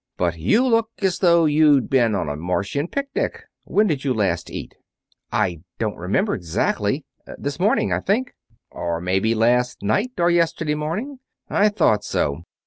"But you look as though you'd been on a Martian picnic. When did you eat last?" "I don't remember, exactly. This morning, I think." "Or maybe last night, or yesterday morning? I thought so!